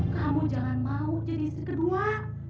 kamu jangan mau jadi istri kedua